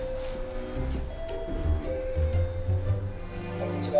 こんにちは。